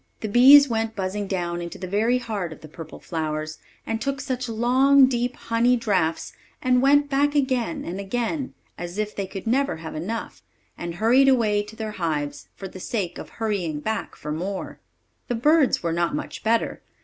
The bees went buzzing down into the very heart of the purple flowers, and took such long, deep honey draughts, and went back again and again, as if they could never have enough, and hurried away to their hives, for the sake of hurrying back for more. The birds were not much better.